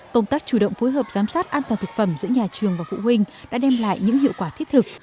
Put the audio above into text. công tác chủ động phối hợp giám sát an toàn thực phẩm giữa nhà trường và phụ huynh đã đem lại những hiệu quả thiết thực